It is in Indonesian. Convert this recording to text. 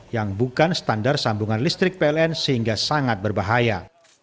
yang bukan standar sambungan listrik pln sehingga sangat berbahaya